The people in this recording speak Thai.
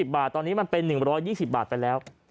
บาทตอนนี้มันเป็น๑๒๐บาทไปแล้ว